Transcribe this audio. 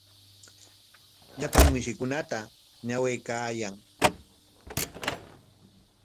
Llapan mishikunata ñawyaykaayan.